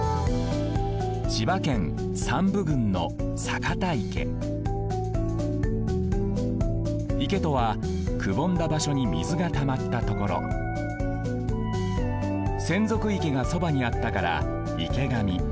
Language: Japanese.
千葉県山武郡の坂田池池とはくぼんだばしょにみずがたまったところ洗足池がそばにあったから池上。